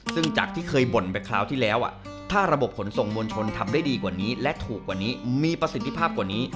ซึ่งจากที่เคยบ่นไปคราวที่แล้วถ้าระบบขนส่งมวลชนทำได้ดีกว่านี้และถูกกว่านี้มีประสิทธิภาพกว่านี้